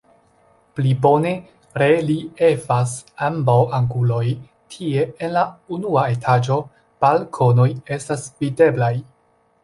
Pli bone reliefas ambaŭ anguloj, tie en la unua etaĝo balkonoj estas videblaj.